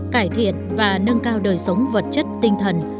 cải thiện và nâng cao đời sống vật chất tinh thần